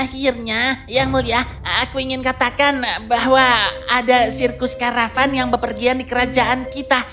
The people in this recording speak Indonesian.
akhirnya yang mulia aku ingin katakan bahwa ada sirkus karavan yang bepergian di kerajaan kita